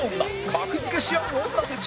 格付けしあう女たち